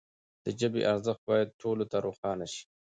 د ژبي ارزښت باید ټولو ته روښانه سي.